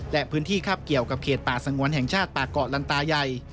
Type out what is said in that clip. และพื้นที่คาบเกี่ยวกับเขตป่าสงวนแห่งชาติป่าเกาะลันตาใหญ่